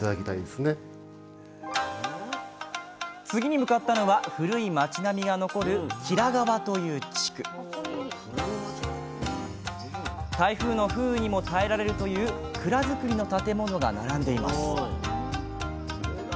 次に向かったのは古い町並みが残る吉良川という地区台風の風雨にも耐えられるという蔵造りの建物が並んでいます